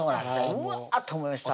うわっと思いました